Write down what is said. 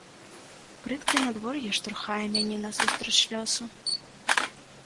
Брыдкае надвор'е штурхае мяне насустрач лёсу.